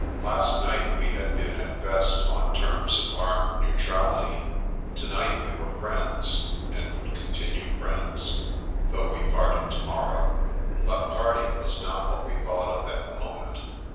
Last night, we had been, at best, on terms of armed neutrality; to night we were friends, and would continue friends, though we parted to mor row. But parting was not what we thought of at the moment.